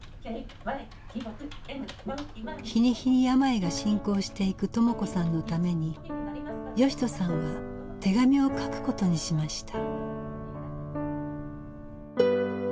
日に日に病が進行していく朋子さんのために義人さんは手紙を書くことにしました。